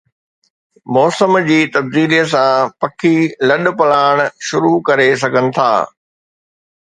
موسم جي تبديلي سان، پکي لڏپلاڻ شروع ڪري سگھن ٿا